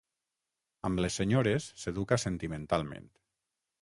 Amb les senyores, s'educa sentimentalment.